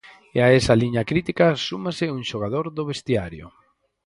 E a esa liña crítica súmase un xogador do vestiario.